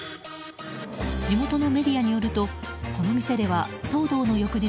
地元のメディアによるとこの店では騒動の翌日